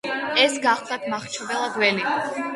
ეს გახლდათ მახრჩობელა გველი,